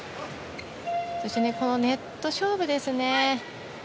そしてネット勝負ですね。